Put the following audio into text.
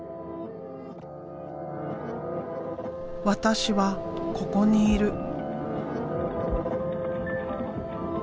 私はここにいる。